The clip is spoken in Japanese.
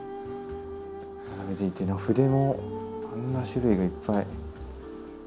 筆もあんな種類がいっぱい。